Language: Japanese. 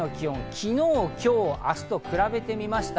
昨日、今日、明日と比べてみました。